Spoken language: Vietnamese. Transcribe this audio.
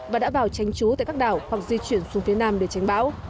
và đã vào tránh trú tại các đảo hoặc di chuyển xuống phía nam để tránh bão